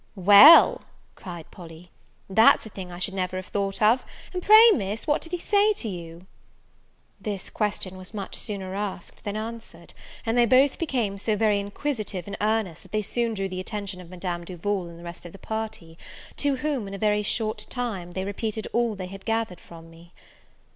"Well," cried Polly, "that's a thing I should never have thought of! And pray, Miss, what did he say to you?" This question was much sooner asked than answered; and they both became so very inquisitive and earnest, that they soon drew the attention of Madame Duval and the rest of the party; to whom, in a very short time, they repeated all they had gathered from me.